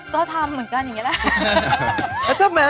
ก็ทำเหมือนกันอย่างนี้แหละ